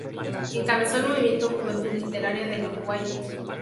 Encabezó el movimiento "Juventud Literaria del Uruguay".